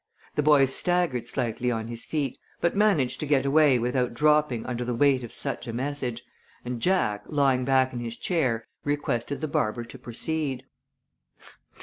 The boy staggered slightly on his feet, but managed to get away without dropping under the weight of such a message, and Jack, lying back in his chair, requested the barber to proceed.